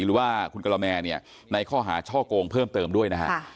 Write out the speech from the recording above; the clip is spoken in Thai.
หรือว่าคุณกรแมร์ในข้อหาช่อโกงเพิ่มเติมด้วยนะครับ